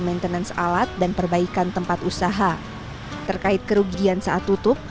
maintenance alat dan perbaikan tempat usaha terkait kerugian saat tutup